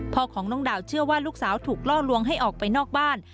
พ่อของน้องดาวเชื่อว่าลูกสาวถูกล่อลวงให้ออกไปนอกบ้าน